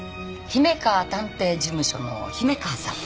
姫川探偵事務所の姫川さん。